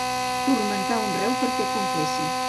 Turmentar un reu perquè confessi.